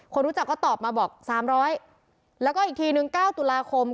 คนรู้จักก็ตอบมาบอก๓๐๐แล้วก็อีกทีนึง๙ตุลาคม